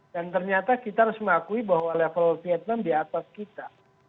dan ternyata kita harus mengakui bahwa level vietnam di atas kita